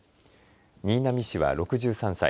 新浪氏は６３歳。